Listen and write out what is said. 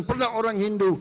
pernah orang hindu